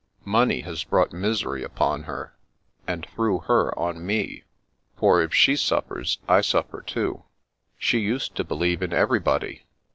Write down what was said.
" Money has brought misery upon her, and through her, on me; for if she suffers, I suffer too. She used to believe in everybody.